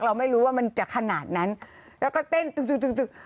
เราไม่รู้ว่ามันจะขนาดนั้นแล้วก็เต้นตึก